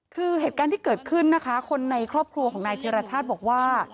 คือเหตุการณ์ที่เกิดขึ้นนะคะคนในครอบครัวของนายธิรชาติบอกว่า